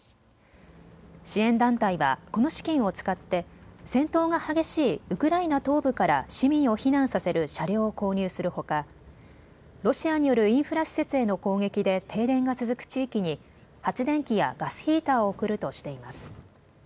支援団体はこの資金を使って戦闘が激しいウクライナ東部から市民を避難させる車両を購入するほか、ロシアによるインフラ施設への攻撃で停電が続く地域に発電機やガスヒーターを送るとしています。